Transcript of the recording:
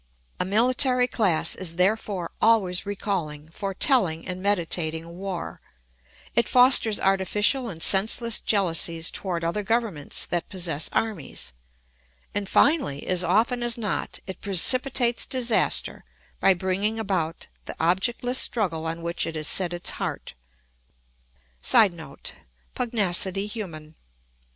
A military class is therefore always recalling, foretelling, and meditating war; it fosters artificial and senseless jealousies toward other governments that possess armies; and finally, as often as not, it precipitates disaster by bringing about the objectless struggle on which it has set its heart. [Sidenote: Pugnacity human.